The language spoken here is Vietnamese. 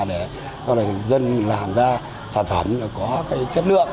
để sau này dân làm ra sản phẩm có cái chất lượng